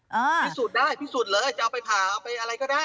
พิสูจน์ได้พิสูจน์เลยจะเอาไปผ่าเอาไปอะไรก็ได้